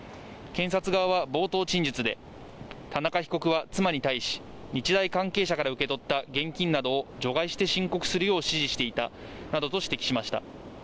検察側は冒頭陳述で、田中被告は妻に対し、日大関係者から受け取った現金などを除外して申告するよう指示していたなどと指摘しました。